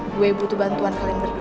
gue butuh bantuan kalian berdua